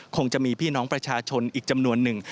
คงจะมีพี่น้องประชาชนอีกจำนวนหนึ่ง